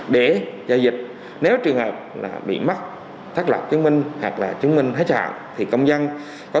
để giao dịch nếu trường hợp bị mất thác lập chứng minh hoặc là chứng minh hết trạng thì công dân có